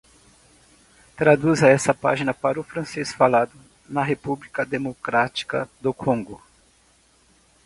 Traduza esta página para o francês falado na República Democrática do Congo